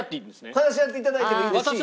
話し合って頂いてもいいですし。